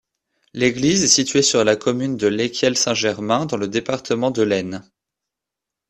L'église est située sur la commune de Lesquielles-Saint-Germain, dans le département de l'Aisne.